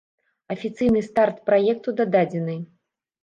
Афіцыйна старт праекту дадзены.